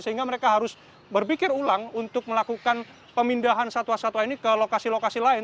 sehingga mereka harus berpikir ulang untuk melakukan pemindahan satwa satwa ini ke lokasi lokasi lain